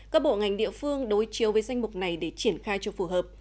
các bộ ngành địa phương đối chiêu với danh mục này để triển khai cho phù hợp